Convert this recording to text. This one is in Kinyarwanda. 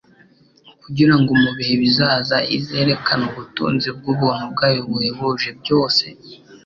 Kugira ngo mu bihe bizaza izerekane ubutunzi bw'ubuntu bwayo buhebuje byose,